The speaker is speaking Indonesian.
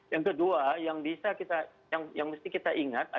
yang kedua yang bisa kita yang mesti kita ingat